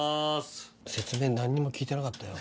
説明何にも聞いてなかったよ